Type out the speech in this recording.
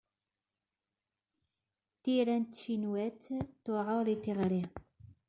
Tira n tcinwat tewɛeṛ i tɣuṛi.